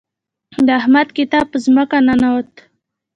د احمد کتاب په ځمکه ننوت.